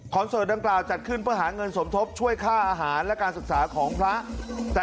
เสิร์ตดังกล่าวจัดขึ้นเพื่อหาเงินสมทบช่วยค่าอาหารและการศึกษาของพระ